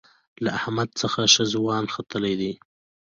له احمد څخه ښه ځوان ختلی دی.